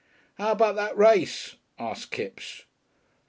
"How about that race?" asked Kipps.